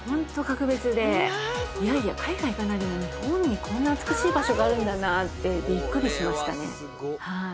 海外行かないでも日本にこんな美しい場所があるんだなってびっくりしましたね。